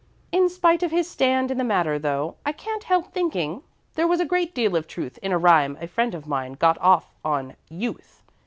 In spite of his stand in the matter, though, I can't help thinking there was a great deal of truth in a rhyme a friend of mine got off on Youth.